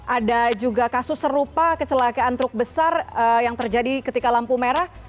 ada juga kasus serupa kecelakaan truk besar yang terjadi ketika lampu merah